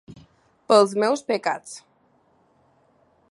Pels meus pecats.